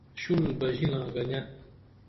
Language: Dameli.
شُل بژینا گنے